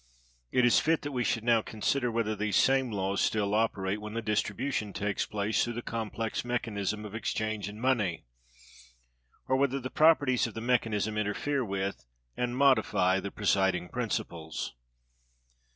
It is fit that we should now consider whether these same laws still operate, when the distribution takes place through the complex mechanism of exchange and money; or whether the properties of the mechanism interfere with and modify the presiding principles.